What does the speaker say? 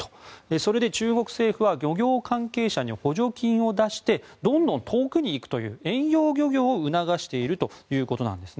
それで中国政府は漁業関係者に補助金を出してどんどん遠くに行くという遠洋漁業を促しているということです。